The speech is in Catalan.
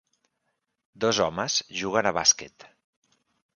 Dos homes juguen a bàsquet.